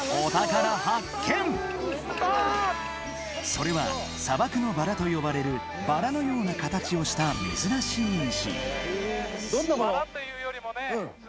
それは、砂漠のバラと呼ばれるバラのような形をした珍しい石。